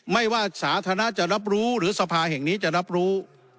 ไม่ว่าสาธารณะจะรับรู้หรือสภาแห่งนี้จะรับรู้